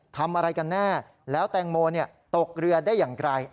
ทำอะไรกันแน่แล้วแตงโมตกเรือได้อย่างไร